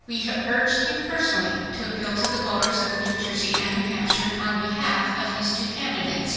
We urged him personally to appeal to the voters of New Jersey and New Hampshire on behalf of his two candidates.